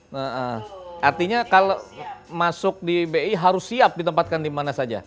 nah artinya kalau masuk di bi harus siap ditempatkan di mana saja